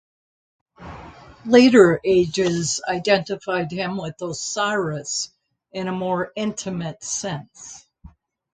Later ages identified him with Osiris in a more intimate sense.